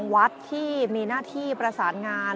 วัดที่มีหน้าที่ประสานงาน